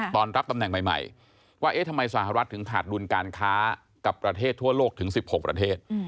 ตอนรับตำแหน่งใหม่ว่าเอ๊ะทำไมสหรัฐถึงขาดดุลการค้ากับประเทศทั่วโลกถึง๑๖ประเทศ